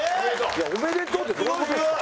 いや「おめでとう」ってどういう事ですか？